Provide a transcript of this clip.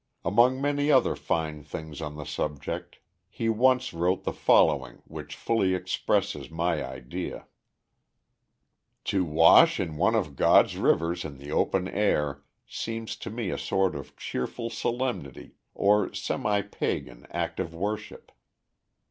Among many other fine things on the subject he once wrote the following which fully expresses my idea: "To wash in one of God's rivers in the open air seems to me a sort of cheerful solemnity or semi pagan act of worship.